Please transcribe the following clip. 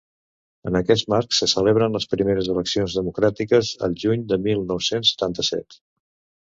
En aquest marc, es celebren les primeres eleccions democràtiques al juny de mil nou-cents setanta-set.